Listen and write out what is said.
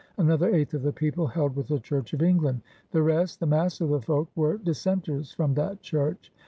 Another eighth of the people held with the Church of England. The rest, the mass of the folk, were dissenters from that Church.